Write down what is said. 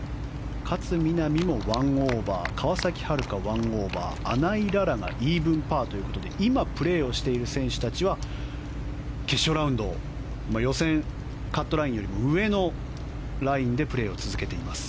勝みなみも１オーバー川崎春花、１オーバー穴井詩がイーブンパーということで今、プレーをしている選手たちは決勝ラウンド予選カットラインよりも上のラインでプレーを続けています。